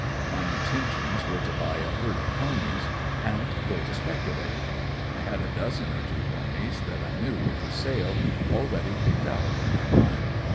My intentions were to buy a herd of ponies and go to speculating. I had a dozen or two ponies, that I knew were for sale, already picked out in my mind.